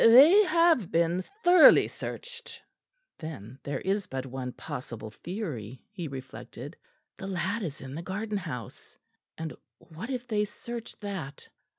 "They have been thoroughly searched." Then there is but one possible theory, he reflected. The lad is in the garden house. And what if they search that?